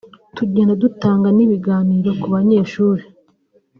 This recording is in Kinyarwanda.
tugenda dutanga n’ibiganiro ku banyeshuri